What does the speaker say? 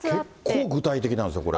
結構具体的なんですよ、これが。